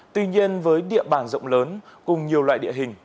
tuy nhiên với địa bàn rộng lớn cùng nhiều loại địa hình